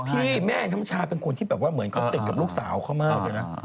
พี่แม่น้ำชาเป็นคนที่แบบว่าเหมือนเขาติดกับลูกสาวเขามากเลยนะ